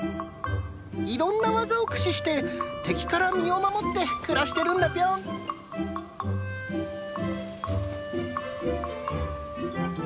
いろんな技を駆使して敵から身を守って暮らしてるんだピョン。